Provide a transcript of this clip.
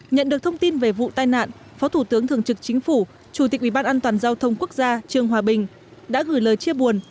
nhận được thông tin về vụ tai nạn phó thủ tướng thường trực chính phủ chủ tịch ủy ban an toàn giao thông quốc gia trương hòa bình đã gửi lời chia buồn